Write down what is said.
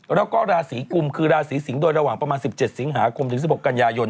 แล้วก็ราศีกุมคือราศีสิงศ์โดยระหว่างประมาณ๑๗สิงหาคมถึง๑๖กันยายน